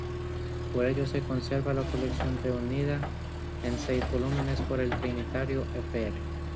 De ellos se conserva la colección reunida en seis volúmenes por el trinitario fr.